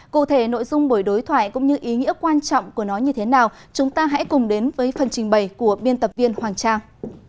cụ thể nội dung buổi đối thoại cũng như ý nghĩa quan trọng của nó như thế nào chúng ta hãy cùng đến với phần trình bày của biên tập viên hoàng trang